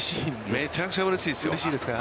めちゃくちゃうれしいですよ。